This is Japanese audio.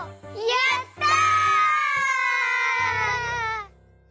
やった！